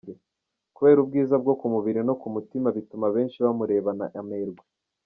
Kubera ubwiza bwo ku mubiri no ku mutima bituma benshi bamurebana amerwe”.